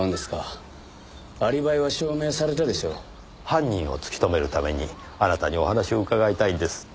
犯人を突き止めるためにあなたにお話を伺いたいんです。